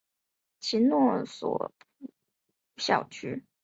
其诺索普校区。